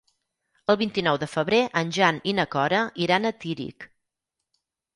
El vint-i-nou de febrer en Jan i na Cora iran a Tírig.